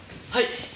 はい。